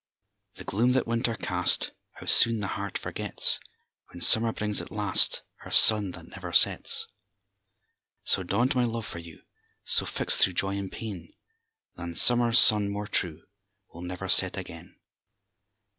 The gloom that winter cast, How soon the heart forgets, When summer brings, at last, Her sun that never sets! So dawned my love for you; So, fixt thro' joy and pain, Than summer sun more true, 'Twill never set again.